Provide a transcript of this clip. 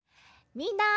みんな！